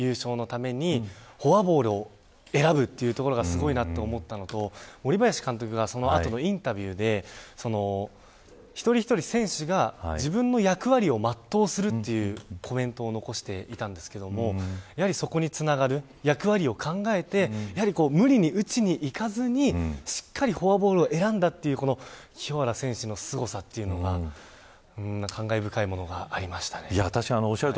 その中でチームの優勝のためにフォアボールを選ぶというところがすごいなと思ったのと森林監督がインタビューで一人一人、選手が自分の役割を全うするというコメントを残していたんですがそこにつながる役割を考えて無理に打ちにいかずにしっかりフォアボールを選んだという清原選手のすごさというのが感慨深いものがありました。